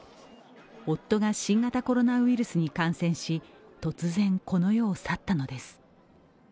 夫が新型コロナウイルスに感染し突然、この世を去ったのです。